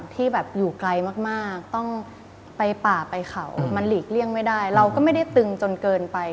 แต่อะไรที่เราทำได้แล้วมันไม่ลำบากเกินไป